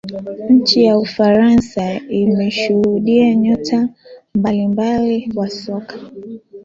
Nchi ya ufaransa imeshuhudia nyota mbalimbali wa soka